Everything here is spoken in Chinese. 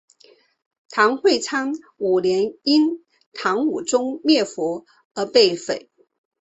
唐会昌五年因唐武宗灭佛而被毁。